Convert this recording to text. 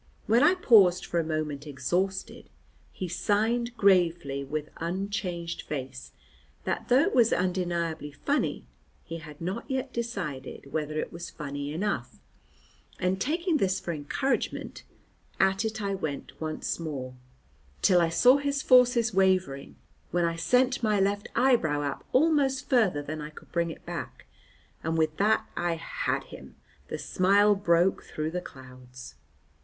When I paused for a moment exhausted he signed gravely, with unchanged face, that though it was undeniably funny, he had not yet decided whether it was funny enough, and, taking this for encouragement, at it I went once more, till I saw his forces wavering, when I sent my left eyebrow up almost farther than I could bring it back, and with that I had him, the smile broke through the clouds.